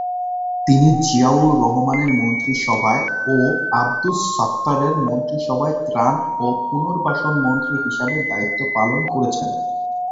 তিনি জিয়াউর রহমানের মন্ত্রিসভায় ও আবদুস সাত্তারের মন্ত্রিসভায় ত্রাণ ও পুনর্বাসন মন্ত্রী হিসেবে দায়িত্ব পালন করেন।